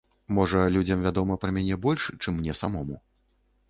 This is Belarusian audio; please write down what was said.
Можа, людзям вядома пра мяне больш, чым мне самому.